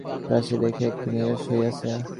কাশী দেখিয়া সে একটু নিরাশ হইয়াছে।